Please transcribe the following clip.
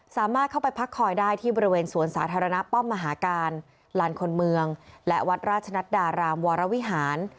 สามารถเข้าไปพักคอยได้ที่บริเวณสวนสาธารณะป้อมมหาการลานคนเมืองและวัดราชนัดดารามวรวิหาร